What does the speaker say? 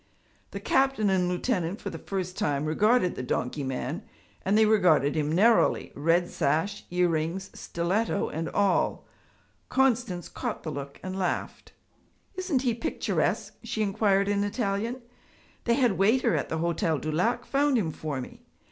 The captain and lieutenant for the first time regarded the donkey man, and they regarded him narrowly, red sash, earrings, stiletto and all. Constance caught the look and laughed. 'Isn't he picturesque?' she inquired in Italian. 'The head waiter at the Hotel du Lac found him for me.